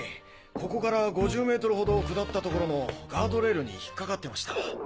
ここから５０メートルほどくだった所のガードレールに引っかかってました。